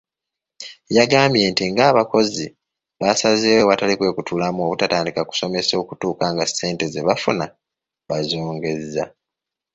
Yagambye nti ng'abakozi baasazeewo awatali kwekutulamu obutatandika kusomesa okutuuka nga ssente ze bafuna bazongeza.